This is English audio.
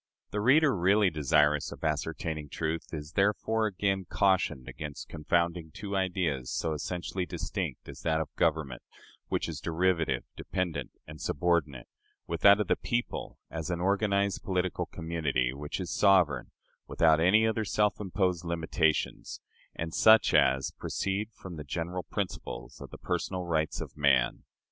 The reader really desirous of ascertaining truth is, therefore, again cautioned against confounding two ideas so essentially distinct as that of government, which is derivative, dependent, and subordinate, with that of the people, as an organized political community, which is sovereign, without any other than self imposed limitations, and such as proceed from the general principles of the personal rights of man.